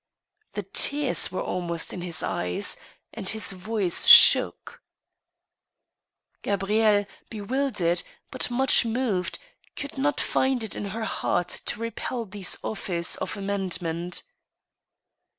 '* The tears were almost in his eyes, and his voice shook. THE PRODIGAL HUSBAND. 55 " Gabridle, bewildered, but much moved, could not find it in her heart to repel these offers of amendment.